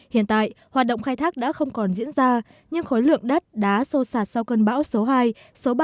hiện tại hoạt động khai thác đã không còn diễn ra nhưng khối lượng đất đá sô sạt sau cơn bão số hai số ba